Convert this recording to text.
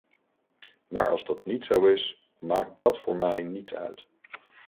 Maar als dat niet zo is, maakt dat voor mij niets uit.